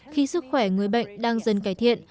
khi sức khỏe người bệnh đang dần cải thiện